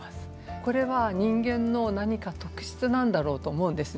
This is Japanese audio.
これは人間の何か特質なんだろうと思うんですね。